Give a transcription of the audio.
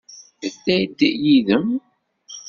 Tedda-d yid-m?